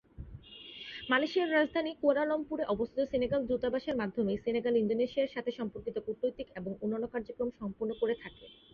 মালয়েশিয়ার রাজধানী কুয়ালালামপুরে অবস্থিত সেনেগাল দূতাবাসের মাধ্যমেই, সেনেগাল ইন্দোনেশিয়ার সাথে সম্পর্কিত কূটনৈতিক এবং অন্যান্য কার্যক্রম সম্পন্ন করে থাকে।